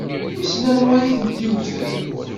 Wissen anwa i tent-yewwten?